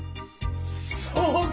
そうか！